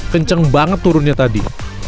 kenceng banget turunnya tadi